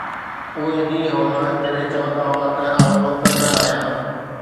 اهي ڏينهن هئا، جڏهن چوندا هئا ته: ”آءٌ نوڪر نه آهيان.